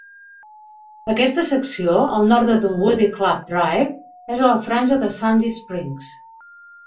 Aquesta secció, al nord de Dunwoody Club Drive, és ara la franja de Sandy Springs.